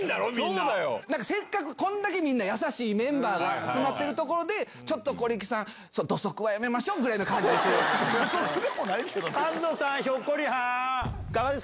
なんかせっかく、こんだけみんな優しいメンバーが集まってるところで、ちょっと小力さん、土足はやめましょぐらいな感じなんです。